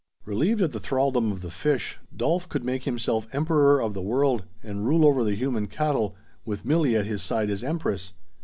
Relieved of the thraldom of the fish, Dolf could make himself Emperor of the World, and rule over the human cattle, with Milli at his side as Empress.